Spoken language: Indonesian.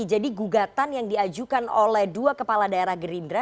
jadi gugatan yang diajukan oleh dua kepala daerah gerindra